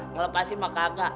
ngelepasin mah kagak